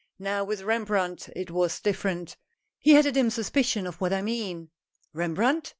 Now with Rembrandt, it was different. He had a dim suspicion of what I mean." "Rembrandt?